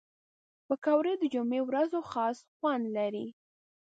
پکورې د جمعې ورځو خاص خوند لري